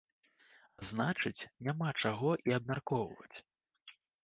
А значыць, няма чаго і абмяркоўваць.